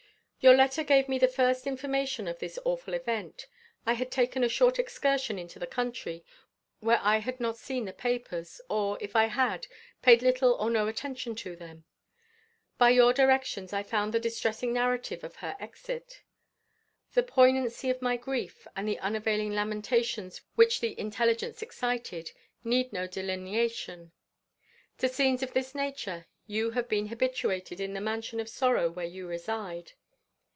Your letter gave me the first information of this awful event. I had taken a short excursion into the country, where I had not seen the papers, or, if I had, paid little or no attention to them. By your directions I found the distressing narrative of her exit. The poignancy of my grief, and the unavailing lamentations which the intelligence excited, need no delineation. To scenes of this nature you have been habituated in the mansion of sorrow where you reside.